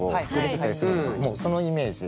もうそのイメージ。